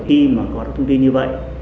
khi mà có được thông tin như vậy